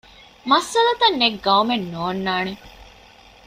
މައްސަލަތައް ނެތް ގައުމެއް ނޯންނާނެ